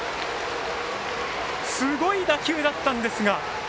すごい打球だったんですが。